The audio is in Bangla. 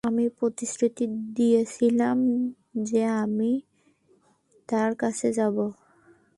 আমি প্রতিশ্রুতি দিয়েছিলাম যে আমি তার কাছে যাবো।